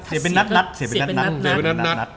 เสียเป็นนัด